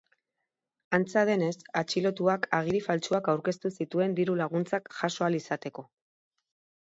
Antza denez, atxilotuak agiri faltsuak aurkeztu zituen diru-laguntzak jaso ahal izateko.